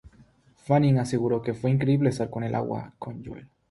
Fanning aseguró que "fue increíble estar en el agua con Joel.